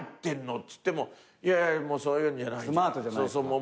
っつっても「いやいやそういうんじゃない」スマートじゃないから。